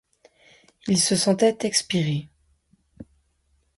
Il se sentait expirer.